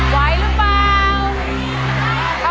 ไหวหรือเปล่า